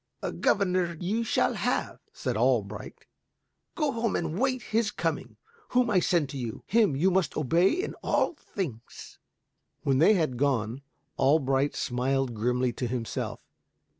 "A governor you shall have." said Albrecht. "Go home and await his coming. Whom I send to you, him you must obey in all things." When they had gone, Albrecht smiled grimly to himself.